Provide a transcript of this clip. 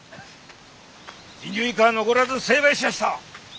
神龍一家は残らず成敗しやした！